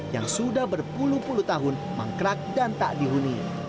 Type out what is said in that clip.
yang sudah berpuluh puluh tahun mangkrak dan tak dihuni